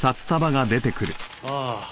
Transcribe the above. ああ。